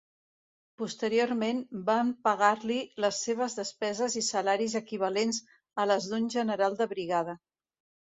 Posteriorment van pagar-li les seves despeses i salaris equivalents a les d'un general de brigada.